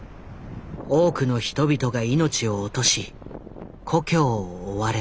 多くの人々が命を落とし故郷を追われた。